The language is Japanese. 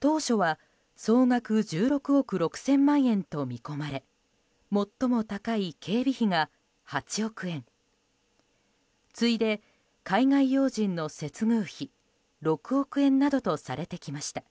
当初は、総額１６億６０００万円と見込まれ最も高い警備費が８億円次いで、海外要人の接遇費６億円などとされてきました。